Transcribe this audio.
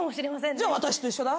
じゃ私と一緒だ。